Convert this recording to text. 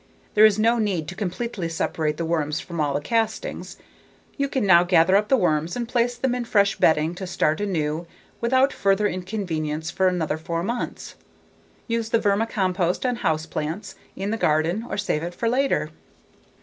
There is no need to completely separate the worms from all the castings. You can now gather up the worms and place them in fresh bedding to start anew without further inconvenience for another four months. Use the vermicompost on house plants, in the garden, or save it for later.